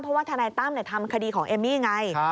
เพราะว่าทนายตั้มทำคดีของเอมมี่ไง